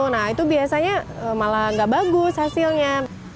nah itu biasanya malah gak bagus hasilnya